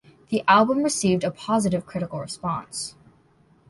The album received a positive critical response.